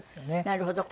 なるほど。